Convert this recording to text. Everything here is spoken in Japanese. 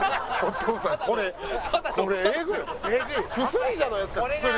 薬じゃないですか薬。